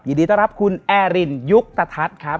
ยินดีต้อนรับคุณแอรินยุคตะทัศน์ครับ